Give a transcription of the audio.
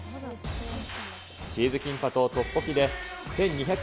チーズキンパとトッポッキで１２００